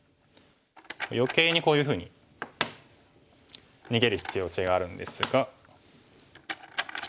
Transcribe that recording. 余計にこういうふうに逃げる必要性があるんですが。